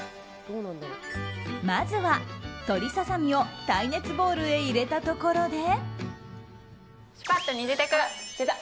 まずは鶏ささみを耐熱ボウルへ入れたところで。